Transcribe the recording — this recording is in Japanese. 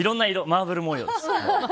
マーブル模様です。